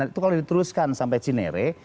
itu kalau diteruskan sampai cinere